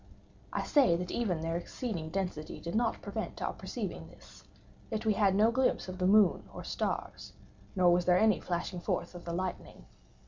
I say that even their exceeding density did not prevent our perceiving this—yet we had no glimpse of the moon or stars—nor was there any flashing forth of the lightning.